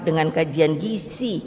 dengan kajian gisi